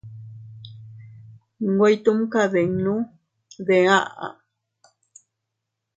Nwe ytumkadinnu de aʼa.